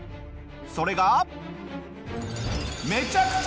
それが。